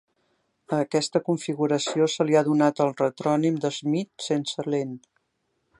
A aquesta configuració se li ha donat el retrònim d'"Schmidt sense lent".